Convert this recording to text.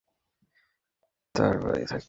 আলখেল্লার অভ্যন্তরে লুকানো তরবারিও থাকতে পারে।